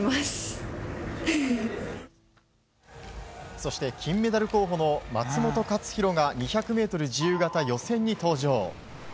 そして金メダル候補の松元克央が２００ｍ自由形予選に登場。